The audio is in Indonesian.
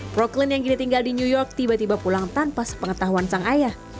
proklin yang kini tinggal di new york tiba tiba pulang tanpa sepengetahuan sang ayah